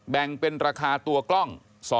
แบ่งเป็นราคาตัวกล้อง